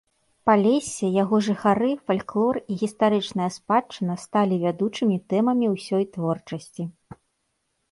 Палессе, яго жыхары і сталі фальклор і гістарычная спадчына сталі вядучымі тэмамі ўсёй творчасці.